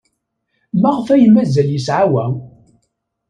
Maɣef ay mazal yesɛa wa?